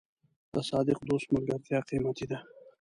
د صادق دوست ملګرتیا قیمتي ده.